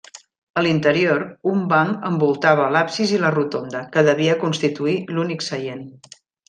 A l'interior, un banc envoltava l'absis i la rotonda, que devia constituir l'únic seient.